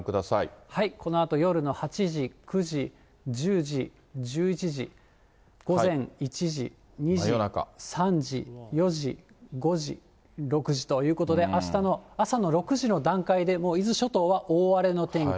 このあと夜の８時、９時、１０時、１１時、午前１時、２じ、３時、４時、５時、６時ということで、あしたの朝の６時の段階で、もう伊豆諸島は大荒れの天気。